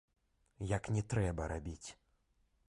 Як не трэба рабіць.